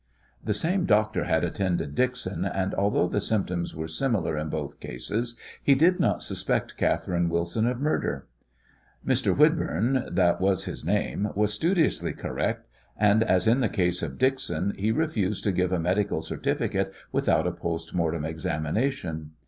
The same doctor had attended Dixon, and although the symptoms were similar in both cases he did not suspect Catherine Wilson of murder. Mr. Whidburn that was his name was studiously correct, and, as in the case of Dixon, he refused to give a medical certificate without a post mortem examination.